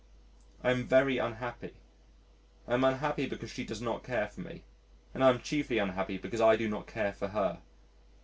I am very unhappy. I am unhappy because she does not care for me, and I am chiefly unhappy because I do not care for her.